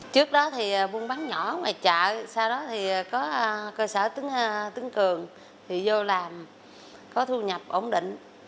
trước đó thì buôn bán nhỏ ngoài chợ sau đó thì có cơ sở tính cường thì vô làm có thu nhập ổn định